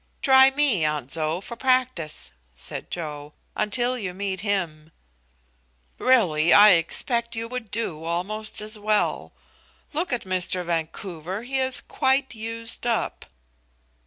"Try me, Aunt Zoë, for practice," said Joe, "until you meet him." "Really, I expect you would do almost as well. Look at Mr. Vancouver, he is quite used up."